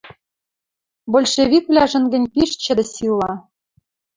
Большевиквлӓжӹн гӹнь пиш чӹдӹ сила.